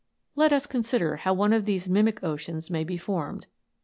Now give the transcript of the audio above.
Let us consider how one of these mimic oceans may be formed.